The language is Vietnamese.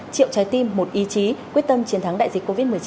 triệu trái tim một ý chí quyết tâm chiến thắng đại dịch covid một mươi chín